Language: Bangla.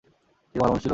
সে কি ভালো মানুষ ছিল?